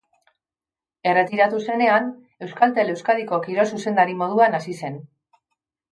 Erretiratu zenean, Euskaltel-Euskadiko kirol-zuzendari moduan hasi zen.